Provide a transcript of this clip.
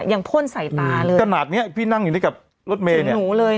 ยังพ่นใส่ตาเลยขนาดเนี้ยพี่นั่งอยู่ในกับรถเมล์เนี้ยถึงหนูเลยเนี้ย